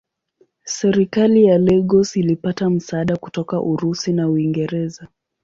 Serikali ya Lagos ilipata msaada kutoka Urusi na Uingereza.